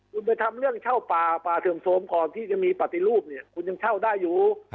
คุณไปทำเรื่องเช่าป่าป่าเสื่อมโทรมก่อนที่จะมีปฏิรูปเนี่ยคุณยังเช่าได้อยู่